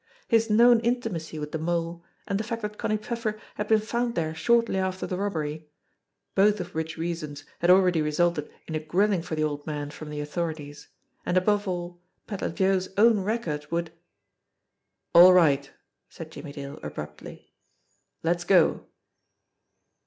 His known intimacy with the Mole, and the fact that Connie Pfeffer had been found there shortly after the robbery, both of which reasons had already resulted in a grilling for the old man from the authorities, and above all Pedler Joe's own record would "All right !" said Jimmie Dale abruptly. "Let's go